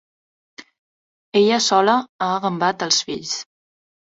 Ella sola ha agambat els fills.